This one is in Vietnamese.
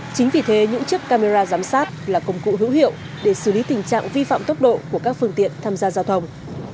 chính vì thế những chiếc camera giám sát là công cụ hữu hiệu để xử lý tình trạng vi phạm tốc độ của các phương tiện tham gia giao thông